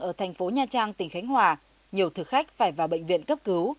ở thành phố nha trang tỉnh khánh hòa nhiều thực khách phải vào bệnh viện cấp cứu